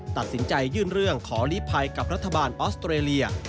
ตัดสินใจยื่นเรื่องขอลีภัยกับรัฐบาลออสเตรเลีย